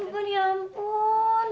ampun ya ampun